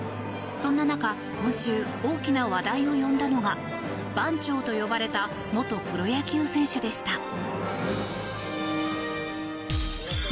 そんな中今週、大きな話題を呼んだのが番長と呼ばれた元プロ野球選手でした。